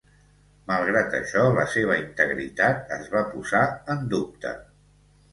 Malgrat això la seva integritat es va posar en dubte.